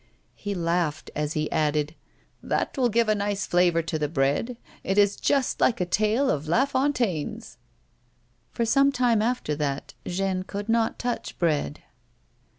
He laughed as he added, "That will give a nice flavour to the bread. It is just like a tale of La Fontaine's." For some time after that Jeanne could not touch bread.